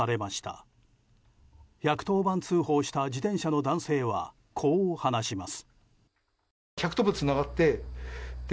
１１０番通報した自転車の男性はこう話します。